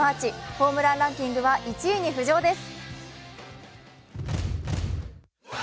ホームランランキングは１位に浮上です。